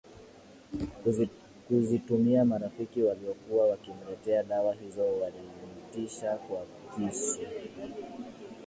kuzitumia marafiki waliokuwa wakimletea dawa hizo walimtisha kwa kisu